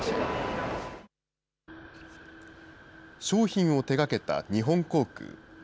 商品を手がけた日本航空。